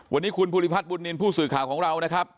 วันนี้คุณภูริพัฒนบุญนินทร์ผู้สื่อข่าวของเรานะครับ